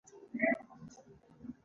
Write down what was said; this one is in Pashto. دا تمرینونه د عقل د ودې لامل شول.